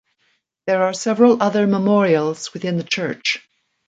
There are several other memorials within the church.